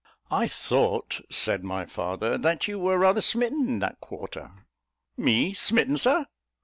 "I thought," said my father, "that you were rather smitten in that quarter?" "Me smitten, Sir?"